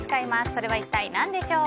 それは一体何でしょう？